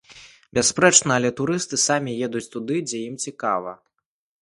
Бясспрэчна, але турысты самі едуць туды, дзе ім цікава.